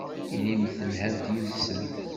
Ilimt telhamt yid-sen.